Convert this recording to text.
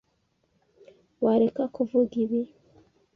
Wareka kuvuga ibi?